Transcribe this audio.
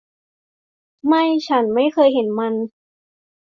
ไม่ฉันไม่เคยเห็นมัน